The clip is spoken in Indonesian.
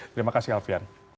terima kasih alfian